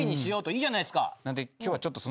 いいじゃないですか。